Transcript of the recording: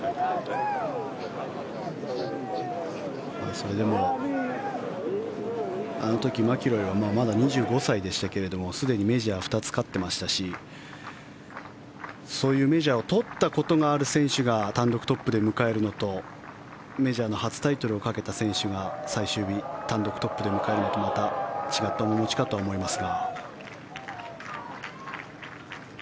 それでもあの時、マキロイはまだ２５歳でしたけどすでにメジャー２つ勝ってましたしそういうメジャーを取ったことがある選手が単独トップで迎えるのとメジャーの初タイトルをかけた選手が最終日単独トップで迎えるのとはまた違った面持ちかと思いますが。